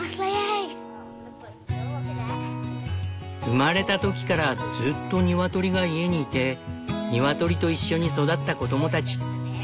生まれた時からずっとニワトリが家にいてニワトリといっしょに育った子供たち。